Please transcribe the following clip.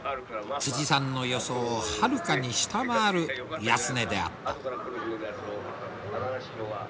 さんの予想をはるかに下回る安値であった。